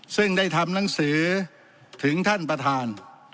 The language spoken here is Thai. ซึ่งได้ทำหนังสือถึงท่านประธาน